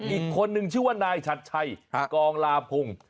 อีกคนนึงชื่อว่านายชัดชัยกองลาพงศ์